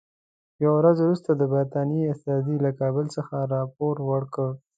یوه ورځ وروسته د برټانیې استازي له کابل څخه راپور ورکړ.